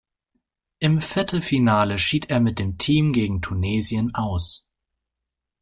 Im Viertelfinale schied er mit dem Team gegen Tunesien aus.